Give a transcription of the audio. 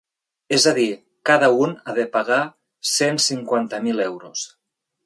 És a dir, cada un ha de pagar cent cinquanta mil euros.